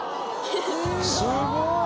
すごい！